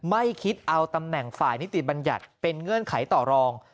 ไม่คิดเอาตำแหน่งฝ่ายนิติบัญญัติเป็นเงื่อนไขต่อรอง